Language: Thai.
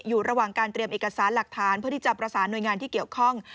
อยู่ระหว่างการเตรียมเอกสารหลักฐานเพื่อที่จะประสานหน่วยงานที่เกี่ยวข้อง